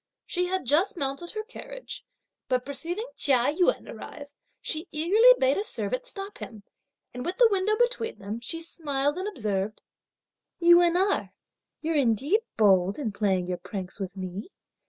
She had just mounted her carriage, but perceiving Chia Yün arrive, she eagerly bade a servant stop him, and, with the window between them, she smiled and observed: "Yün Erh, you're indeed bold in playing your pranks with me!